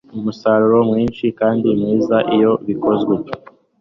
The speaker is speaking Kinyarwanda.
umusaruro mwinshi kandi mwiza iyo bikozwe